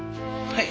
はい。